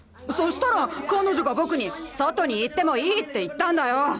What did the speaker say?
そしたら彼女が僕に「外に行ってもいい」って言ったんだよ。